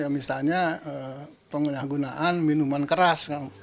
misalnya penggunah gunaan minuman keras